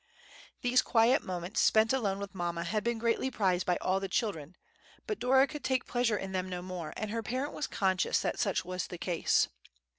These quiet moments spent alone with mamma had been greatly prized by all the children; but Dora could take pleasure in them no more, and her parent was conscious that such was the case.